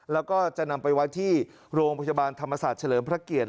แล้วก็จะนำไปไว้ที่โรงพยาบาลธรรมศาสตร์เฉลิมพระเกียรติ